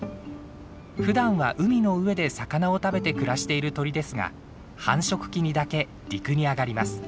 ふだんは海の上で魚を食べて暮らしている鳥ですが繁殖期にだけ陸に上がります。